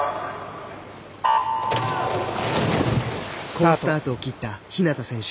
好スタートを切った日向選手。